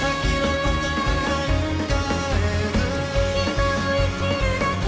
「今を生きるだけ」